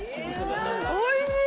おいしい。